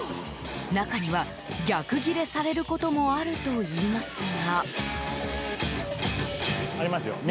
中には逆ギレされることもあるといいますが。